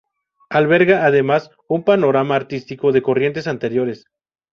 Alberga además un panorama artístico de corrientes anteriores.